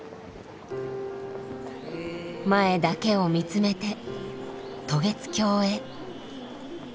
前だけを見つめて渡月橋へ。